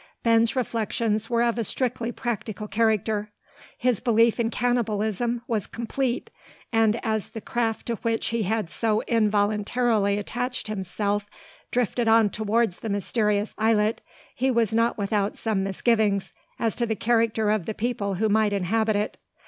Ben's reflections were of a strictly practical character His belief in cannibalism was complete; and as the craft to which he had so involuntarily attached himself drifted on towards the mysterious islet, he was not without some misgivings as to the character of the people who might inhabit it.